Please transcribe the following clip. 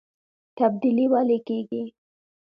تبدیلي ولې کیږي؟